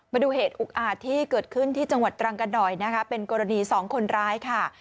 มาดูเหตุอุกอาจที่เกิดขึ้นที่จังหวัดตรังกันหน่อยนะคะเป็นกรณีสองคนร้ายค่ะ